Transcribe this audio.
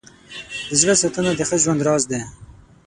د زړه ساتنه د ښه ژوند راز دی.